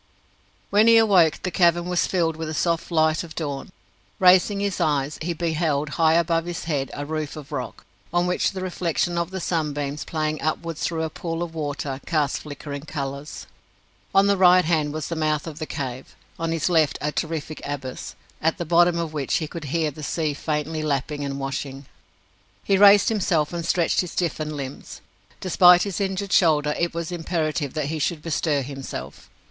When he awoke the cavern was filled with the soft light of dawn. Raising his eyes, he beheld, high above his head, a roof of rock, on which the reflection of the sunbeams, playing upwards through a pool of water, cast flickering colours. On his right hand was the mouth of the cave, on his left a terrific abyss, at the bottom of which he could hear the sea faintly lapping and washing. He raised himself and stretched his stiffened limbs. Despite his injured shoulder, it was imperative that he should bestir himself.